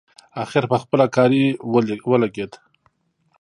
اخر پخپله کاري ولګېد.